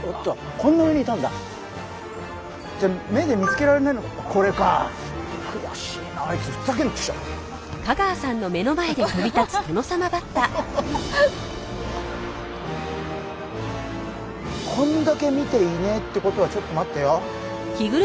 こんだけ見ていねえって事はちょっと待ってよ。